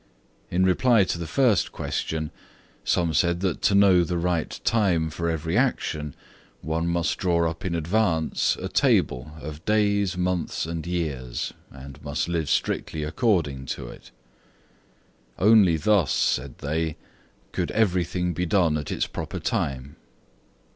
In reply to the first question, some said that to know the right time for every action, one must draw up in advance, a table of days, months and years, and must live strictly according to it. Only thus, said they, could everything be done at its proper time.